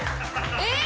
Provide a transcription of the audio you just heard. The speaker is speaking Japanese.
えっ！？